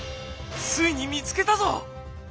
ついに見つけたぞ！